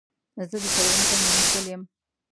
زه د څلورم صنف محصل یم